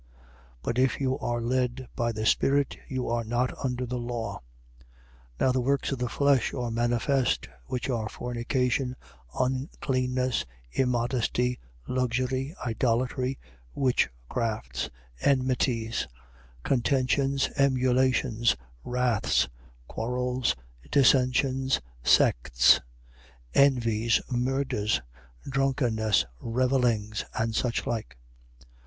5:18. But if you are led by the spirit, you are not under the law. 5:19. Now the works of the flesh are manifest: which are fornication, uncleanness, immodesty, luxury, 5:20. Idolatry, witchcrafts, enmities, contentions, emulations, wraths, quarrels, dissensions, sects, 5:21. Envies, murders, drunkenness, revellings, and such like.